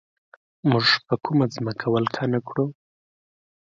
موږ به کومه ځمکه ولکه نه کړو.